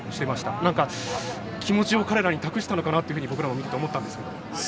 なんか、気持ちを彼らに託したのかなと僕らも見てて思ったんですけど。